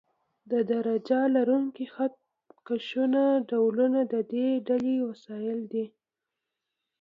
د درجه لرونکو خط کشونو ډولونه د دې ډلې وسایل دي.